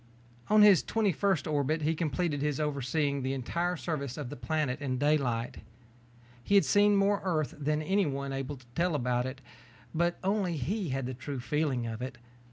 On his twenty first orbit he completed his overseeing the entire surface of the planet in daylight. He had seen more of Earth than anyone able to tell about it, but only he had the true feeling of it.